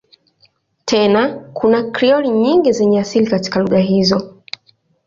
Tena kuna Krioli nyingi zenye asili katika lugha hizo.